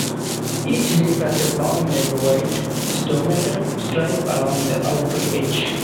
Each leaf has a prominent white stomatal stripe along the outer edge.